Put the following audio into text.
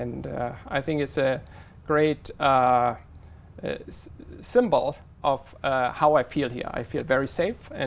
những thứ như món ăn